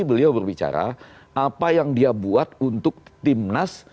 beliau berbicara apa yang dia buat untuk timnas